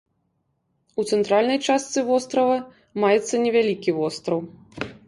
У цэнтральнай частцы вострава маецца невялікі востраў.